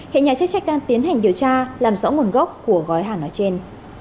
hiện nhà chức trách đang tiến hành điều tra làm rõ nguồn gốc của gói hàng nói trên